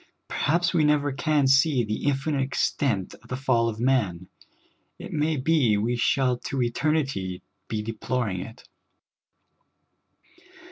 Perhaps we never can see the infinite extent of the fall of man ; it ma}^ be we shall to eternit}^ be deploring it.